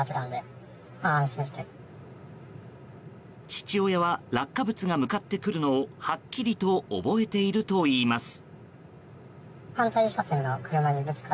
父親は落下物が向かってくるのをはっきりと覚えているといいます。